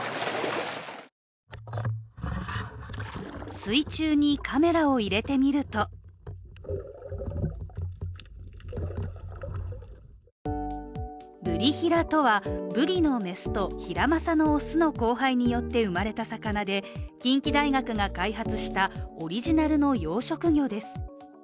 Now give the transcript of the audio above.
水中にカメラを入れてみるとブリヒラとはブリの雌とヒラマサの雄の交配によって生まれた魚で近畿大学が開発したオリジナルの養殖魚です。